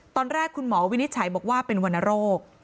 ตอนแรกคุณหมอวินิจฉัยบอกว่าเป็นวรรณโรค